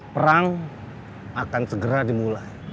perang akan segera dimulai